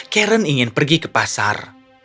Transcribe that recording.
karen ingin pergi ke pasar